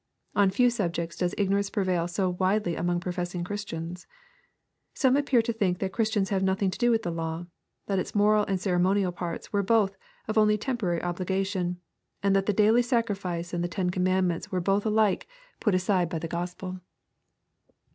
On few subjects does ignorance prevail so widely among professing Christians. Some appear to think that Christians have nothing to do with the Liw, — that its moral and ceremonial parte were both of only temporary obligtition, — and that the daily sacrifice and the ten commandments were both alike put LUKE, CHAP. XVI. 209 abide by the gospel.